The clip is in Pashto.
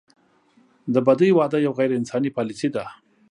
د بدۍ واده یوه غیر انساني پالیسي ده.